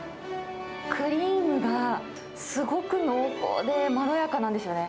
クリームがすごく濃厚で、まろやかなんですよね。